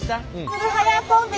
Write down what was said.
つるはやコンビ。